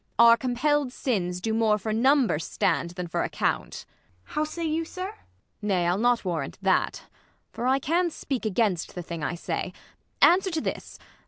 Our compell'd sins Do more for number stand, than for account. IsAB. How say you, sir 1 Ang. Nay, I'll not warrant that : for I can speak Against the thing I say : answer to this.